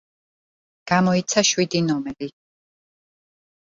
გამოიცა შვიდი ნომერი.